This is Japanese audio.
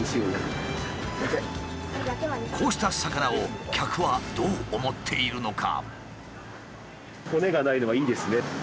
こうした魚を客はどう思っているのか？